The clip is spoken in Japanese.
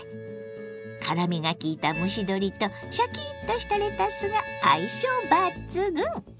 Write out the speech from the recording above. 辛みがきいた蒸し鶏とシャキッとしたレタスが相性抜群！